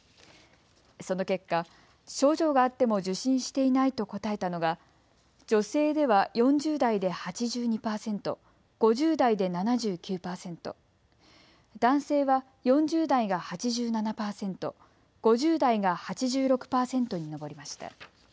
その結果、症状があっても受診していないと答えたのが女性では４０代で８２％、５０代で７９％、男性は４０代が８７％、５０代が８６％に上りました。